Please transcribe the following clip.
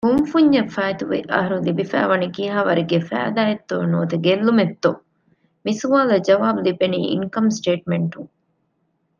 ކުންފުންޏަށް ފާއިތުވި އަހަރު ލިބިފައިވަނީ ކިހާވަރެއްގެ ފައިދާ އެއްތޯ ނުވަތަ ގެއްލުމެއްތޯ؟ މިސުވާލަށް ޖަވާބު ލިބެނީ އިންކަމް ސޓޭޓްމަންޓުން